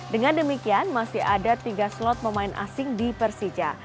dengan demikian masih ada tiga slot pemain asing di persija